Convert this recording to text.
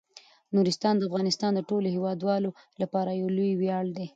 نورستان د افغانستان د ټولو هیوادوالو لپاره یو لوی ویاړ دی.